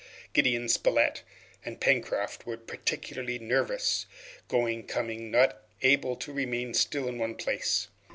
Gideon Spilett and Pencroft were particularly nervous, going, coming, not able to remain still in one place.